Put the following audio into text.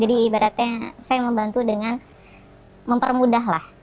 jadi ibaratnya saya membantu dengan mempermudah lah